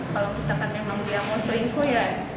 kalau misalkan memang dia mau selingkuh ya